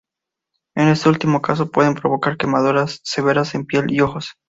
En este último caso, puede provocar quemaduras severas en piel y ojos.